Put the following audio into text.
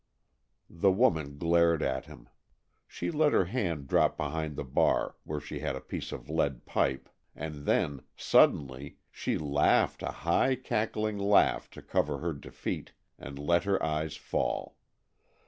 The woman glared at him. She let her hand drop behind the bar, where she had a piece of lead pipe, and then, suddenly, she laughed a high, cackling laugh to cover her defeat, and let her eyes fall.